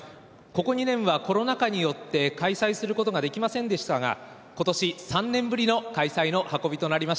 ここ２年はコロナ禍によって開催することができませんでしたが今年３年ぶりの開催の運びとなりました。